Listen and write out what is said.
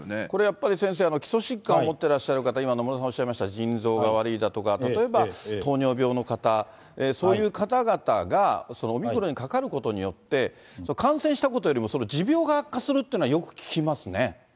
これやっぱり、先生、基礎疾患を持ってらっしゃる方、今、野村さんおっしゃいました、腎臓が悪いだとか、例えば糖尿病の方、そういう方々がオミクロンにかかることによって、感染したことよりも、持病が悪化するっていうのはよく聞きますね。